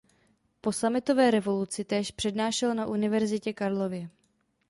Po sametové revoluci též přednášel na Univerzitě Karlově.